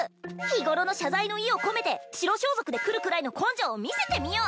日頃の謝罪の意を込めて白装束で来るくらいの根性を見せてみよ！